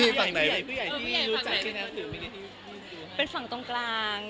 พี่กัลพาคุณพ่อคุณแม่เราไปหาพ่อแม่ที่อื่นไม่ยัง